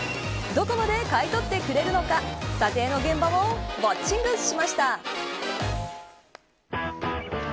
どこまで買い取ってくれるのか査定の現場をウオッチングしました。